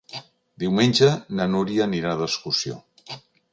Diumenge na Núria anirà d'excursió.